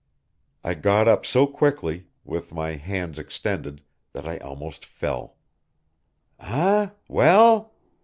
I got up so quickly, with my hands extended, that I almost fell. Eh! well?...